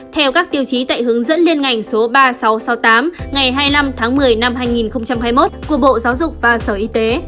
theo các tiêu chí tại hướng dẫn liên ngành số ba nghìn sáu trăm sáu mươi tám ngày hai mươi năm tháng một mươi năm hai nghìn hai mươi một của bộ giáo dục và sở y tế